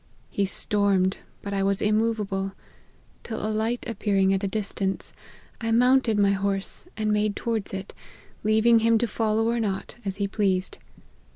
He stormed, but I was immovable ; till, a light appearing at a distance, I mounted my horse and made towards it, leaving him to follow or not, as he pleased.